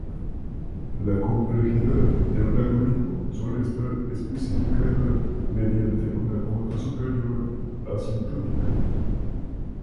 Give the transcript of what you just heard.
La complejidad de un algoritmo suele estar especificada mediante una cota superior asintótica.